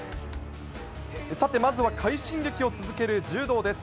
さて、まずは快進撃を続ける柔道です。